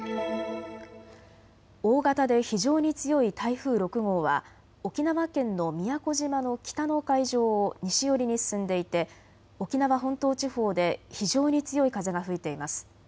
大型で非常に強い台風６号は沖縄県の宮古島の北の海上を西寄りに進んでいて沖縄本島地方で非常に強い風が吹いています。